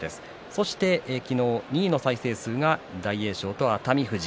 そして２位の再生数は大栄翔と熱海富士。